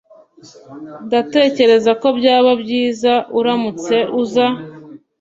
Ndatekereza ko byaba byiza uramutse uza